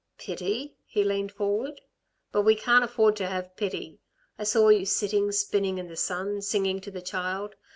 "Pity?" He leaned forward. "But we can't afford to have pity. I saw you sitting spinning in the sun, singing to the child.